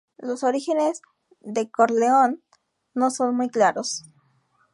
Los orígenes de Corleone no son muy claros.